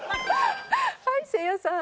はいせいやさん。